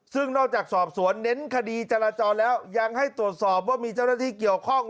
ซึ่งนอกจากสอบสวนเน้นคดีจราจรแล้วยังให้ตรวจสอบว่ามีเจ้าหน้าที่เกี่ยวข้อง